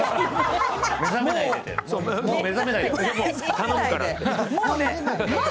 頼むからって。